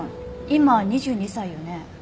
今２２歳よね？